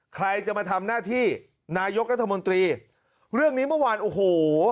ใครจะมาทำหน้าที่นายกรัฐมนตรีเรื่องนี้เมื่อวานโอ้โห